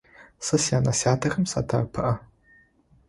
Сэ сянэ-сятэхэм садэӀэпыӀэ.